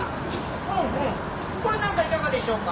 ふんふんこれなんかいかがでしょうか？